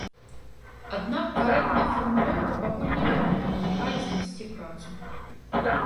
Аднак карэктная фармулёўка пакуль не вельмі дапамагае знайсці працу.